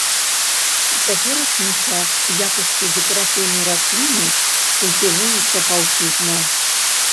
У цяперашні час у якасці дэкаратыўнай расліны культывуецца паўсюдна.